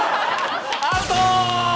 アウト！